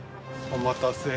お待たせ。